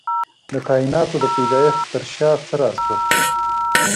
د کائناتو د پيدايښت تر شا څه راز پټ دی؟